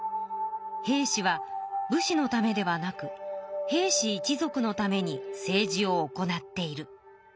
「平氏は武士のためではなく平氏一族のために政治を行っている」。